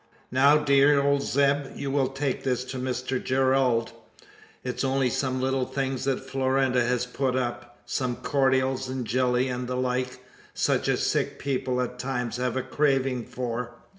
"Now dear old Zeb, you will take this to Mr Gerald? It's only some little things that Florinda has put up; some cordials and jellies and the like, such as sick people at times have a craving for.